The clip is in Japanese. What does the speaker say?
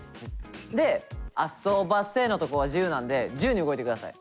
で「遊ばせ」のとこは自由なんで自由に動いてください。